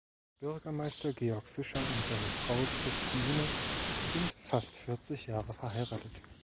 Bürgermeister Georg Fischer und seine Frau Christine sind fast vierzig Jahre verheiratet.